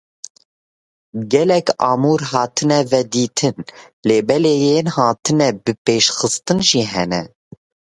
Gelek amûr hatine vedîtin lêbelê yên hatine bipêşxistin jî hene.